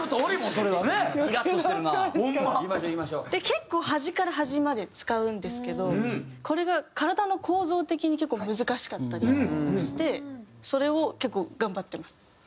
結構端から端まで使うんですけどこれが体の構造的に結構難しかったりしてそれを結構頑張ってます。